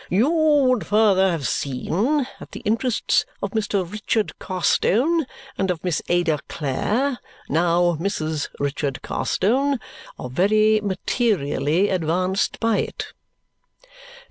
"You would further have seen that the interests of Mr. Richard Carstone and of Miss Ada Clare, now Mrs. Richard Carstone, are very materially advanced by it."